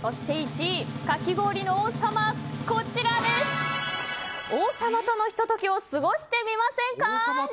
そして１位、かき氷の王様は王様とのひと時を過ごしてみませんか？